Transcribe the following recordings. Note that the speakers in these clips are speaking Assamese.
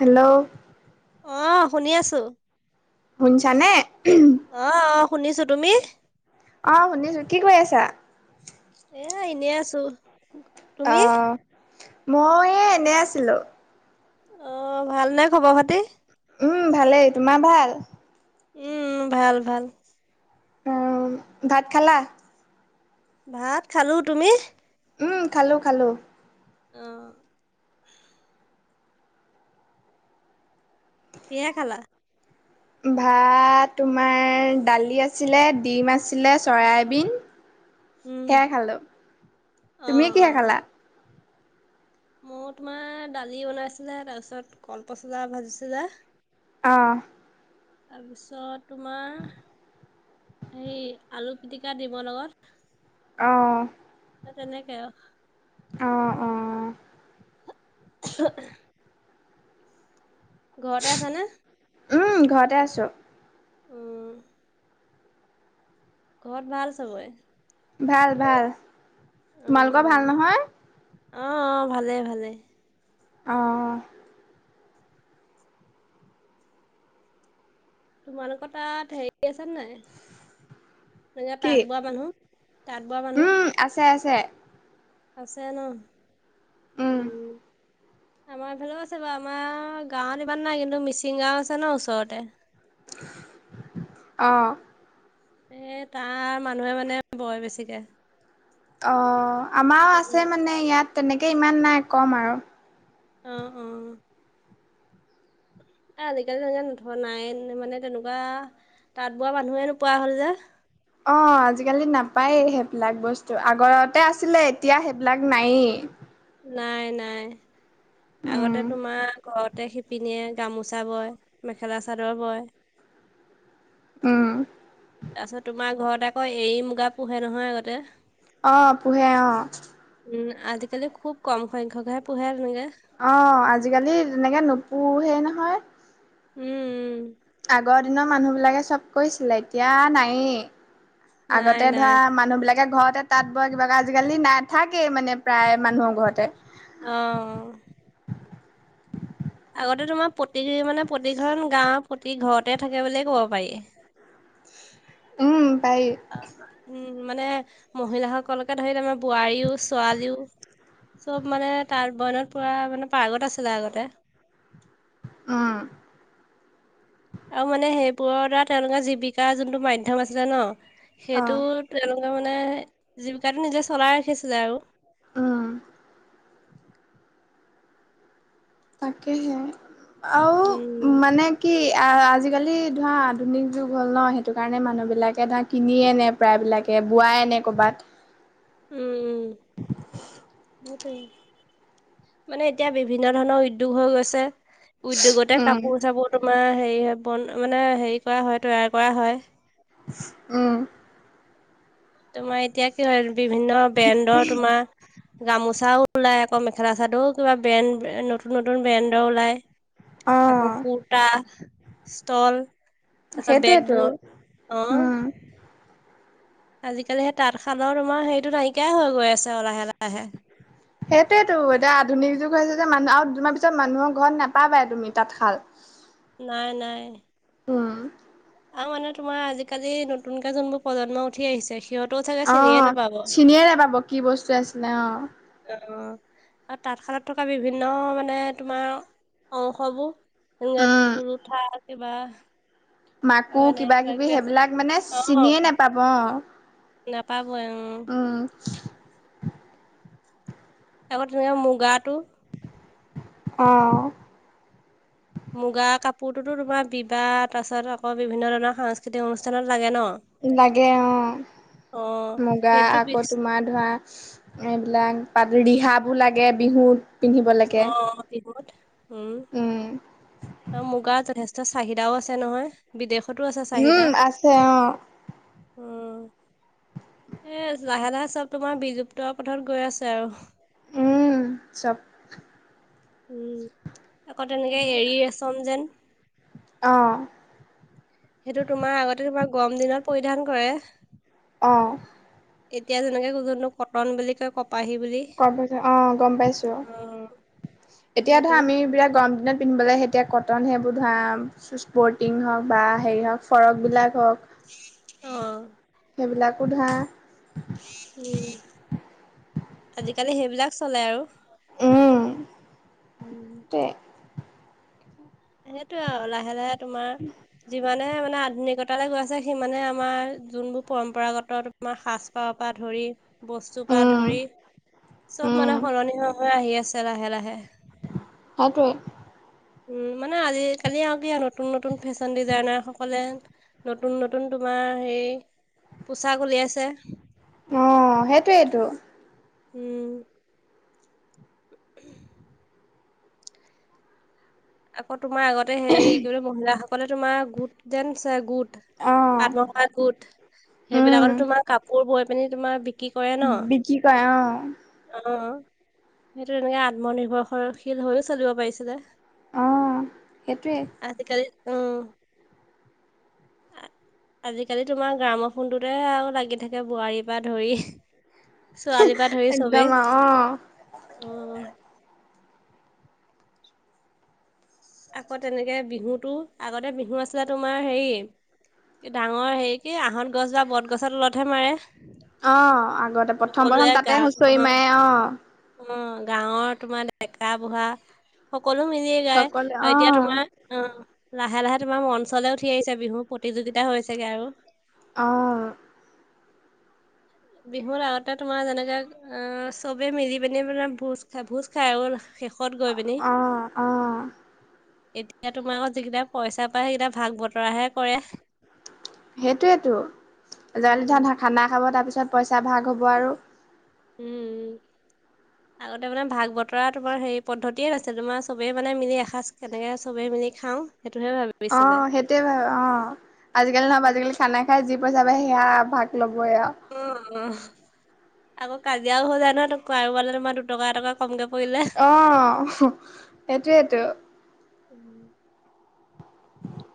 হেল্ল' অঁ শুনি আছোঁ। শুনছা নে? অঁ-অঁ শুনিছো- তুমি? অ শুনিছো, কি কয়ি আছা? এ এনেই আছোঁ। অ' মই এনেই আছিলো। অঁ ভালনে খবৰ-খাতি? উম্ ভালেই, তোমাৰ ভাল? উম্ ভাল ভাল। অ' ভাত খালা? ভাত খালো, তুমি? উম্ খালোঁ খালোঁ। অ কিহে খালা ভাত তোমাৰ দালি আছিলে ডিম আছিলে চয়াবিন। উম সেয়াই খালো অ তুমি কিহে খালা মোৰ তোমাৰ দালি বনাইছিলে তাৰপিছত কলপচলা ভাজিছিলে। অ তাৰপিছত তোমাৰ হেৰী আলু পিটিকা দিমৰ লগত অঁ হে তেনেকে আও অ অ উ [unintelligible] ঘৰতে আছ নে উম ঘৰতে আছোঁ উম ঘৰত ভাল চবৰে ভাল ভাল অ অ তোমালোকৰ ভাল নহয় অ অ ভালেই ভালেই অঁ তোমালোকৰ তাত হেৰি আছে নাই এ কি? তাঁত বোৱা মানু্হ তাঁত বোৱা মানু্হ উম, আছে আছে আছে ন উম আমাৰ ফালেও আছে বাৰু আমাৰ গাঁৱত ইমান নাই কিন্তু মিচিং গাঁও আছে ন ওচৰতে। অ এ তাৰ মানুহে মানে বয় বেছিকে। অঁ আমাৰও আছে উম মানে ইয়াত তেনেকে ইমান বেছি নাই ক'ম আৰু। অ অ এ আজিকালি তে নথোৱা নাই মানে তেনেকুৱা তাঁত বোৱা মানুহে নোপোৱা হ'ল যে। অ আজিকালি নাপায় সেইবিলাক বস্তু আগৰতে আছিলে এতিয়া সেইবিলাক নায়েই। নাই নাই উম, আগতে তোমাৰ ঘৰতে খে শিপিনেয়ে গামোচা বয় মেখেলা চাদৰ বয়। উম তাৰপিছত তোমাৰ ঘৰত আকৌ এৰী মুগা পোহে নহয় আগতে। অ পোহে অ। উম আজিকালি খুব কম সংখ্যক হে পোহে তেনেকে। অ আজিকালি তেনেকে নোপোহে নহয়। উম উ আগৰ দিনৰ মানুহবিলাকে চব কৰিছিলে এতিয়া নায়েই। নাই আগতে ধৰা নাই মানুহবিলাকে ঘৰতে তাত বোৱা কিবা আজিকালি নাথাকেই মানে প্ৰায় মানুহৰ ঘৰতে। অ আগতে তোমাৰ প্ৰতি মানে প্ৰতিখন গাঁৱৰ প্ৰতি ঘৰতে থাকে বুলিয়ে কব পাৰি। উম পাৰি। উম মানে মহিলাসকলকে ধৰি আমাৰ বোৱাৰীও ছোৱালীও চব মানে তাঁত বইনত পৰা মানে পাৰ্গত আছিলে আগতে। উম আৰু মানে সেইবোৰৰ দাৰা তেওঁলোকৰ জীৱিকা যোনটো মাধ্যম আছিলে ন' সেইটো অ', তেওঁলোকে মানে জীৱিকাটো নিজে চলাই ৰাখিছিলে আৰু। অঁ। তাকেহে আৰু উম মানে কি আজিকালি ধৰা আধুনিক যুগ হ'ল ন' সেইটো কাৰণে মানুহবিলাকে ধৰা কিনি আনে প্ৰায়বিলাকে বোৱাই আনে ক'ৰবাত। উম উম [unintelligible] মানে এতিয়া বিভিন্ন ধৰণৰ উদ্যোগ হৈ গৈছে। উদ্যোগতে কাপোৰ উম চাপোৰ তোমাৰ হেৰি হয়, বন মানে হেৰি কৰা হয় তৈয়াৰ কৰা হয়। উম। তোমাৰ এতিয়া কি হয় বিভিন্ন ব্ৰেণ্ডৰ তোমাৰ গামোচাও ওলাই আকৌ মেখেলা চাদৰো কিবা বেন নতুন নতুন ব্ৰেণ্ডৰ ওলাই অ আকৌ কুৰ্তা ষ্টল, তাৰপিছত সেইটোয়েতো বেগবোৰ, অ'। উম আজিকালি সেই তাঁতশালৰ তোমাৰ হেৰিটো নাইকিয়াই হৈ গৈ আছে লাহে লাহে। সেইটোৱেতো, এতিয়া আধুনিক যুগ হৈছে যে মানুহ আৰু দুদিনমান পিছত মানুহৰ ঘৰত নাপাবাই তুমি তাঁতশাল। নাই নাই। উম আৰু মানে তোমাৰ আজিকালি নতুনকে যোনবোৰ প্ৰজন্ম উঠি আহিছে সিহঁতেও চাগে চিনিয়ে অঁ' নাপাব। চিনিয়ে নাপাব কি বস্তু আছিলে অঁ। অঁ আৰু তাঁতশালত থকা বিভিন্ন মানে তোমাৰ অংশবোৰ যেনেকে উম তুলুথা কিবা আৰু মাকো এনে কিবা কিবি আছে সেইবিলাক মানে অ চিনিয়ে নেপাব অঁ। নাপাবই উমঁ। উম। আকৌ তেনেকে মুগাটো। অঁ। মুগা কাপোৰতোতো তোমাৰ বিবাহ তাৰপাছত আকৌ বিভিন্ন ধৰণৰ সাংস্কৃতিক অনুষ্ঠানত লাগে ন। লাগে অঁ, অ মুগা সেইটো আকৌ পিছ তোমাৰ ধৰা এইবিলাক পাত ৰিহাবোৰ লাগে বিহুত, পিন্ধিবলৈকে অ বিহুত উম উম আৰু মুগাৰ জসেষ্ট তাৰ চাহিদাও আছে নহয়। বিদেশতো আছে! চাহিদা উম আছে অঁ। উম এ লাহে লাহে চব তোমাৰ বিলুপ্ত পথত গৈ আছে আৰু। উম চব উম, আকৌ তেনেকে এৰী ৰেচম যেন অঁ। সেইটো তোমাৰ, আগতে তোমাৰ, গৰম দিনত পৰিধান কৰে। অঁ। এতিয়া যেনেকে কো-কোনো-কটন বুলি কয় কপাহী বুলি গম পাইছ অ', গম পাইছোঁ। অ এতিয়া ধৰ সেইটো আমি বিলাক গৰম দিনত পিন্ধিবলৈ সে এতিয়া কটন সেইবোৰ দাম স্পৰ্টিং হওক বা হেৰি হওক ফ্ৰৰক বিলাক হওক, অঁ। সেইবিলাকো ধৰা। উম, আজিকালি সেইবিলাক চলে আৰু উম। উম হে সেইটোয়ে আও লাহে লাহে তোমাৰ যিমানে মানে, আধুনিকতালৈ গৈ আছে, সিমানে আমাৰ যোনবোৰ পৰম্পৰাগত আমাৰ সাজ পাৰ পৰা ধৰি বস্তুৰ পৰা উম ধৰি চব উম মানে সলনি হৈ হৈ আহি আছে লাহে লাহে! সেইটোৱে উম, মানে আজ কালি আৰু কি আৰু নতুন, নতুন ফেশ্বন ডিজাইনাৰ সকলে নতুন, নতুন তোমাৰ হেৰি পোচাক উলিয়াইছে। অ', সেইটোৱেইটো। উম। আকৌ তোমাৰ আগত তে হে কি বুলি মহিলাসকলে তোমাৰ গোট যেন চ গোট, অ আত্মসহায় গোট উম সেইবিলাকতো তোমাৰ কাপোৰ বৈ পিনি তোমাৰ বিক্ৰী কৰে ন? বিক্ৰী কৰা অঁ। অহ, সেইটো তেনেকে আত্মনিৰ্ভৰশৰশীল হৈও চলিব পাৰিছিলে। অঁ সেইটোৱে। আজ কালি! অ' [inaudible] আজিকালি তোমাৰ গ্ৰামৰ ফোনটোতহে আও লাগি থাকে বোৱাৰীৰ পৰা ধৰি ছোৱালীৰ পৰা ধৰি চবেই! একদম আৰু অ', অ' আকৌ তেনেকে বিহুতো, আগতে বিহু আছিলে তোমাৰ হেৰি ডাঙৰ হেৰি কি আঁহত গছ বা বট গছৰ তলতহে মাৰে! অঁ আগতে প্ৰথম প্ৰথম সকলোৱে তাতে হুঁচৰি মাৰে অঁ। অহ, গাঁৱৰ তোমাৰ ডেকা বুঢ়া সকলো মিলিয়ে গায় সকলোৱে আৰু এতিয়া অ', তোমাৰ অঁ, লাহে লাহে তোমাৰ অঞ্চলে উঠি আহিছো বিহু প্ৰতিযোগিতা হৈছেগে আৰু। অহ। বিহুৰ আগতে তোমাৰ যেনেকাে অঁ চবে মিলি পিনি মানে ভোজ খাই ভোজ খাই হ'ল। শেষত গৈ পিনি অ', অ'। এতিয়া তোমাৰ আকৌ যিকেইটা পইচা পায় সেইকেইটা ভাগ বতৰাহে কৰে। সেইটোৱেতো, উম [unintelligible] খানা খাব তাৰপিছত পইচা ভাগ হ'ব আৰু। উম। [unintelligible] আগতে মানে ভাগ বতৰা তোমাৰ হেৰি পদ্ধতিয়ে নাছিল, তোমাৰ চবেই মানে মিলি এসাঁজ তেনেকৈ চবেই মিলি খাওঁ- সেইটোহে ভা অঁ সেইটো ৱে ভাবে অঁ, আজিকালি নহব আজিকালি খানা খাই যি পইচা পায় সেয়া ভাগ ল'বই আৰু। উমঁ উমঁ। আকৌ কাজিয়াও হৈ যায় নহয় কাৰোবাৰে তোমাৰ দুটকা এটকা কমকে পৰিলে। অঁ, সেইটোৱেইতো। [unintelligible]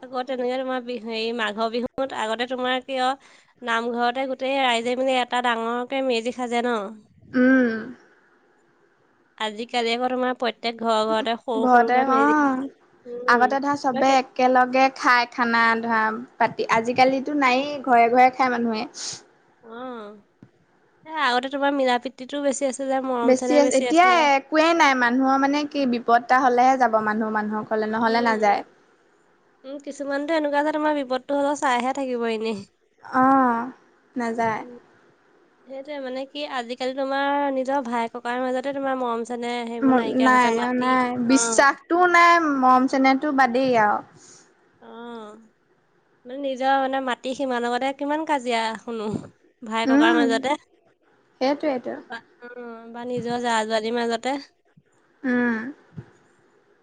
আকৌ তেনেকে তোমাৰ বিহু মাঘৰ বিহুত আগতে তোমাৰ কিয় নামঘৰতে গোটেই ৰাইজে মানে এটা ডাঙৰকে মেজি সাজে ন'। উমঁ। আজিকালি আকৌ তোমাৰ প্ৰত্যয়েক ঘৰৰ ঘৰতে সৰু ঘৰতে সৰুকে মেজি অ', সাজে, উমঁ আগতে ধৰা চবে বাকী একেলগে খায় খানা ধৰা, পাতি আজিকালিতো নায়েই ঘৰে ঘৰে খাই মানুহে। অঁ' এ আগতে তোমাৰ মিলা প্ৰীতিটো বেছি আছিলে, মৰম চেনেহ আছে বেছি এতিয়া আছিল। একোৱেই নাই, মানুহৰ মানে কি বিপদ এটা হ'লেহে যাব মানুহ মানুহৰ উমঁ, উমঁ কিছুমানতো এনেকুৱা যে তোমাৰ বিপদটো হ'লেও চাইহে থাকিব এনেই। অঁহ', নাযায়। উম। সেইটোৱে মানে কি আজিকালি তোমাৰ নিজৰ ভাই ককাৰ মাজতে তোমাৰ মৰম- যেনে সেইবোৰ নাইকিয়া হৈছে মাটি, অঁ। টো নাই মৰম চেনেহটো বাদেই আৰু। অঁহ', মানে নিজৰ মানে মাটি সিমান লগতে কিমান কাজিয়া শুনো। ভাই, উম ককাইৰ মাজতে। সেইটোৱেইটো উমঁ, নিজৰ জাহ-জলীৰ মাজতে। উম।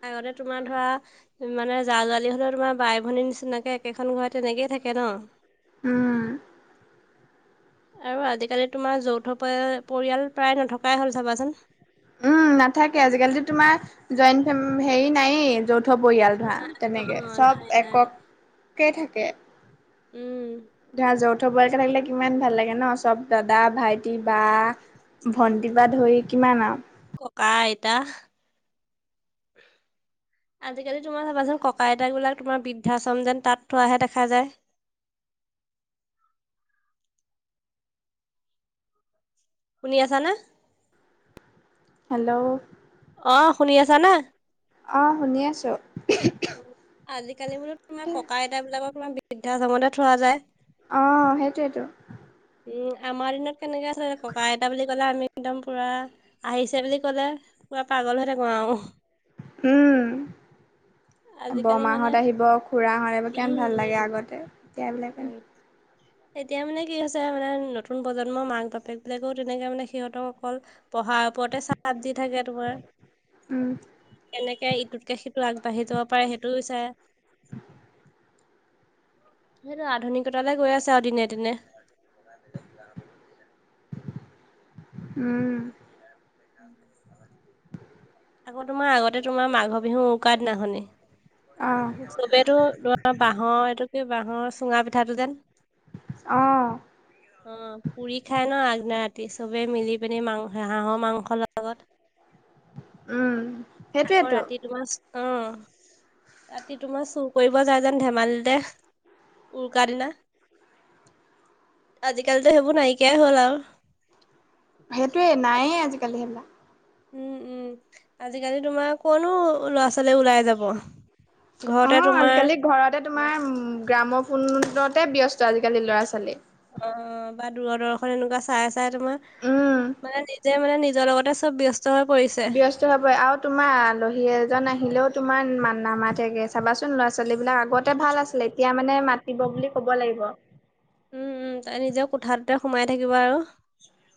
আগতে তোমাৰ ধৰা মানে জা জালি হ'লে- তোমাৰ বাই, ভনীৰ নিচিনাকে একেখন ঘৰত তেনেকয়ে থাকে ন। উমঁ। আৰু আজিকালি তোমাৰ যৌথ পৰিয়াল প্ৰায় নথকাই হ'ল চাবাচোন। উমঁ নাথাকে। আজিকালিতো তোমাৰ জইণ্টে হেৰি নায়েই য'ত- যৌথ পৰিয়ালত ধৰা নাই তেনেকৈ অ', চব নাই নাই। এককে থাকে। উম। ধৰা যৌথ পৰিয়ালকে থাকিলে কিমান ভাল লাগে ন চব দাদা, ভাইটি, বা- ভণ্টি বা ধৰি কিমান আৰু। ককা, আইতা। আজিকালি তোমাৰ চাবাচোন ককা-আইতাবিলাক তোমাৰ বৃদ্ধাশ্ৰম যেন তা'ত থোৱাহে দেখা যায়। শুনি আছা নে? হেল্ল'। অঁ', - শুনি আছা নে? অঁ', - শুনি আছোঁ। আজিকালি বোলো তোমাৰ ককা-আইতা বিলাকক তোমাৰ বৃদ্ধাশ্ৰমতহে থোৱা যায়। অঁহ', সেইটোৱেইেতো। উম, আমাৰ দিনত কেনেকে আছিল ককা-আইতা বুলি ক'লে আমি একদম পূৰা আহিছে বুলি ক'লে, পূৰা পাগল হৈ থাকোঁ আৰু। উমঁ। আজিকালি মানে বৰমাহত আহিব, খুৰা হঁত আহিব, কিমান ভাল লাগে উম আগতে। এতিয়া এইবিলাক [unintelligible] এতিয়া মানে কি হৈছে মানে নতুন প্ৰজন্মৰ মাক-বাপেক বিলাকেও তেনেকৈ মানে সিহঁতক অকল- পঢ়াৰ ওপৰতে চাপ দি থাকে তোমাৰ- উম কেনেকে ইটোতকে সিটো আগবাঢ়ি যাব পাৰে সেইটো বিচাৰে। সেইটো আধুনিকতালৈ গৈ আছে আৰু দিনে-দিনে। [inaudible] উমঁ। [inaudible] আকৌ তোমাৰ আগতে তোমাৰ মাঘৰ বিহু উকাৰ দিনাখনি। অঁ [unintelligible] ধৰা বাঁহৰ এইটো কি বাঁহৰ চুঙা পিঠাটো [unintelligible] অঁ উম, পুৰি খাই ন আগদিনা ৰাতি চবেই মিলি পিনি মাংস, হাঁহৰ মাংস লগ উমঁ। আকৌ ৰাতি মাছ [inaudible] ৰাতি তোমাৰ চুৰ কৰিব যায় যেন ধেমালিতে। উৰুকা দিনা আজিকালিতো সেইবোৰ নাইকিয়াই হ'ল আৰু। সেইটোৱে নাইয়ে আজিকালি সেইবিলাক। উম উম' আজিকালি তোমাৰ কনো ল'ৰা ছোৱালী ওলাই যাব? ঘৰতে অঁ তোমাৰ আজিকালি ঘৰতে অ তোমাৰ গ্ৰামকুণ্ডতে ব্যস্ত আজিকালি ল'ৰা ছোৱালী। অঁ অ বা দূৰদৰ্শন এনেকুৱা চাই আছ- চাই তোমাৰ উম মানে নিজে মানে নিজৰ লগতে চব ব্যস্ত হৈ পৰিছে। ত হ'ব ই আৰু তোমাৰ আলহী এজন আহিলেও তোমাৰ মান নামাতেগে চাবাচোন ল'ৰা ছোৱালী বিলাক আগত। তে ভাল আছিলে এতিয়া মানে মাতিব বুলি ক'ব লাগিব। উম উম' তাই নিজৰ কোঠাটোতে সোমাই থাকিব আৰু।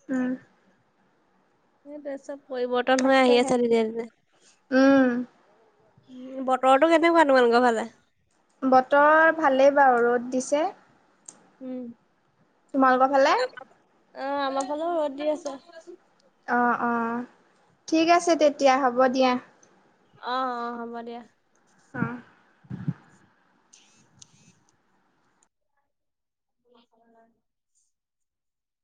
উম' সেইটোয়ে চব পৰিৱৰ্তন হৈ আহি তাকেহে। আছে দিনে দিনে। উম, বতৰটো কেনেকুৱা তোমালোকৰ ফালে? বতৰ ভালেই বাৰু ৰ'দ দিছে। উম' তোমালোকৰ ফালে? তাপা অঁ আমা ফালেও ৰদ দি আছে। অঁ অঁ ঠিক আছে তেতিয়া, হ'ব দিয়া। অঁ অঁ হ'ব দিয়া। অ'। [inaudible]